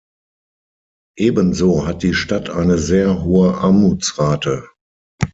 Ebenso hat die Stadt eine sehr hohe Armutsrate.